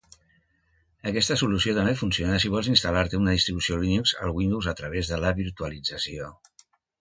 Aquesta solució també funciona si vols instal·lar-te una distribució Linux al Windows a través de la virtualització.